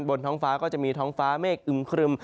บนท้องฟ้าก็จะมีท้องฟ้าเมฆอึมครึม